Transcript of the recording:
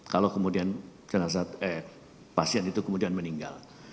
kalau kemudian jelasat eh pasien itu kemudian meninggal